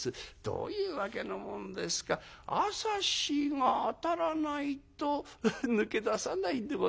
どういうわけのもんですか朝日が当たらないと抜け出さないんでございますよ」。